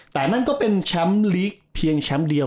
แต่นั่นก็เป็นแชมป์ลีกเพียงแชมป์เดียว